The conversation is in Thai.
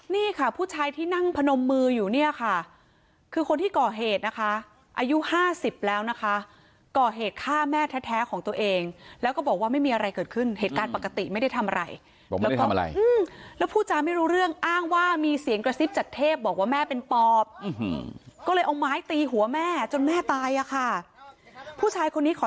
นี่ค่ะผู้ชายที่นั่งพนมมืออยู่เนี่ยค่ะคือคนที่ก่อเหตุนะคะอายุห้าสิบแล้วนะคะก่อเหตุฆ่าแม่แท้ของตัวเองแล้วก็บอกว่าไม่มีอะไรเกิดขึ้นเหตุการณ์ปกติไม่ได้ทำอะไรแล้วก็พูดจาไม่รู้เรื่องอ้างว่ามีเสียงกระซิบจากเทพบอกว่าแม่เป็นปอบก็เลยเอาไม้ตีหัวแม่จนแม่ตายอะค่ะผู้ชายคนนี้ขอ